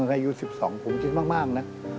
จริงมากนะ